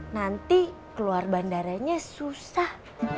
nanti keluar bandaranya susah